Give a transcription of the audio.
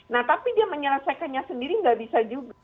nah tapi dia menyelesaikannya sendiri nggak bisa juga